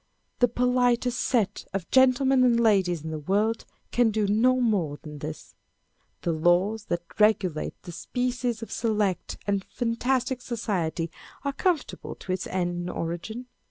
The politest set of gentlemen and ladies in the world can do no more than this. The laws that regulate this species of select and fantastic society are conformable to its ends and origin.